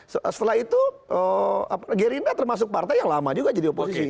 setelah itu gerindra termasuk partai yang lama juga jadi oposisi